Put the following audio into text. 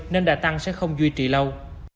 nên đà tăng sẽ không duy trì lâu